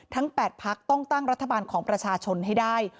๘พักต้องตั้งรัฐบาลของประชาชนให้ได้